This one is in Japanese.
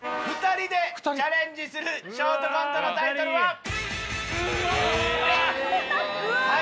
２人でチャレンジするショートコントのタイトルは。